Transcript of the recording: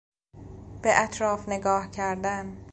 به اطراف نگاه کردن